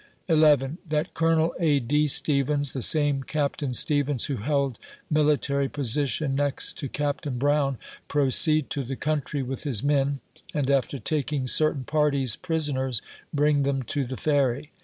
11. That Colonel A. B*. Stevens (the same Captain Stevens who held military position next to Captain Brown) proceed to the country with his men, and after taking certain parties prisoners bring them to the Ferry.